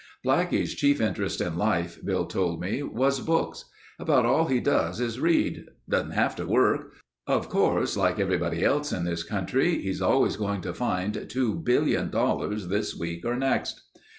Blackie's chief interest in life, Bill told me was books. "About all he does is read. Doesn't have to work. Of course, like everybody in this country, he's always going to find $2,000,000,000 this week or next."